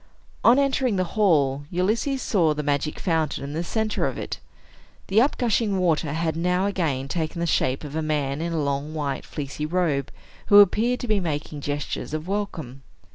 On entering the hall, Ulysses saw the magic fountain in the center of it. The up gushing water had now again taken the shape of a man in a long, white, fleecy robe, who appeared to be making gestures of welcome.